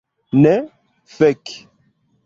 Ne, fek'